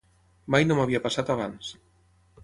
Mai no m'havia passat abans.